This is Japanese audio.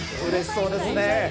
うれしそうですね。